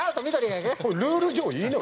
ルール上いいの？